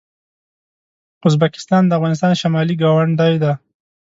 ازبکستان د افغانستان شمالي ګاونډی دی.